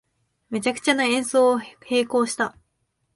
めちゃくちゃな演奏に閉口した